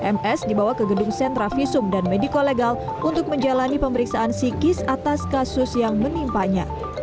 ms dibawa ke gedung sentra visum dan mediko legal untuk menjalani pemeriksaan psikis atas kasus yang menimpanya